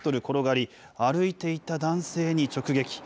転がり、歩いていた男性に直撃。